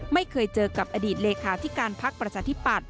ไม่เคยเจอกับอดีตเลขาธิการพักประชาธิปัตย